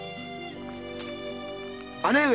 姉上。